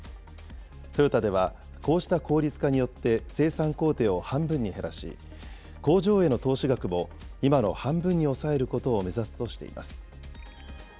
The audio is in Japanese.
トヨタではこうした効率化によって生産工程を半分に減らし、工場への投資額も今の半分に抑えることを目指すとしています。